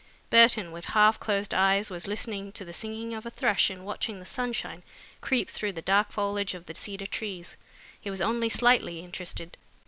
Burton, with half closed eyes, was listening to the singing of a thrush and watching the sunshine creep through the dark foliage of the cedar trees. He was only slightly interested.